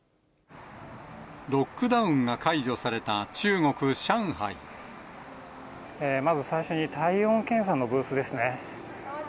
ロックダウンが解除された中まず最初に、体温検査のブースですね。